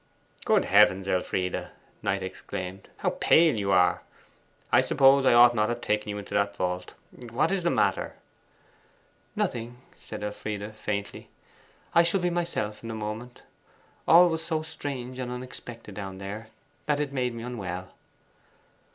'Good heavens, Elfride,' Knight exclaimed, 'how pale you are! I suppose I ought not to have taken you into that vault. What is the matter?' 'Nothing,' said Elfride faintly. 'I shall be myself in a moment. All was so strange and unexpected down there, that it made me unwell.